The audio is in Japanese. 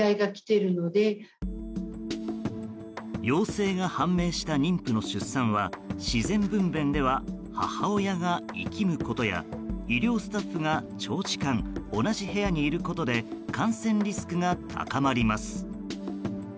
陽性が判明した妊婦の出産は自然分娩では母親がいきむことや医療スタッフが長時間同じ部屋にいることで感染リスクが高まります。